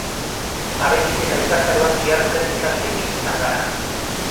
Harekin eta ikastaroan diharduten ikasleekin izan gara.